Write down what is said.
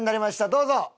どうぞ！